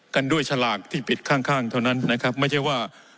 กันด้วยฉลากที่ปิดข้างข้างเท่านั้นนะครับไม่ใช่ว่า